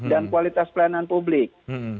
dan kualitas pelayanan publik